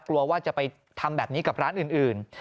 กลัวว่าจะไปทำแบบนี้กับร้านอื่น